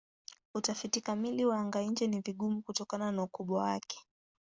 Utafiti kamili wa anga-nje ni vigumu kutokana na ukubwa wake.